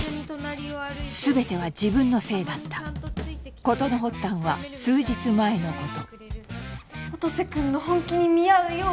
全ては自分のせいだった事の発端は数日前のこと音瀬君の本気に見合うよう